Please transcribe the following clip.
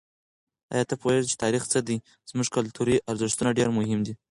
آیا ته پوهېږې چې تاریخ څه دی؟ زموږ کلتوري ارزښتونه ډېر مهم دي.